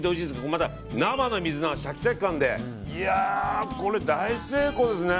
また生の水菜のシャキシャキ感で大成功ですね。